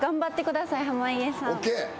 ＯＫ！